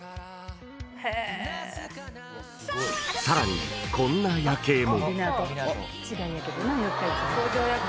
［さらにこんな夜景も］